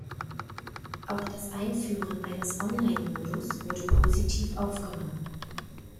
Auch das Einführen eines Online-Modus wurde positiv aufgenommen.